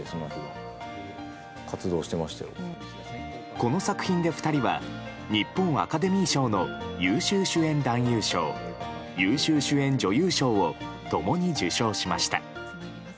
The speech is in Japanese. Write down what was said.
この作品で２人は日本アカデミー賞の優秀主演男優賞優秀主演女優賞を共に受賞しました。